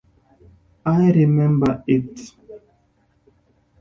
I remember it.